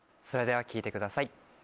それでは聴いてください。